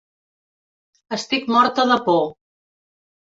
Estic morta de por.